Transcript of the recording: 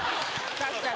確かに。